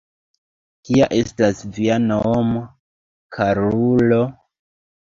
Kia estas via nomo, karulo?